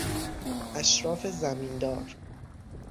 اشراف زمیندار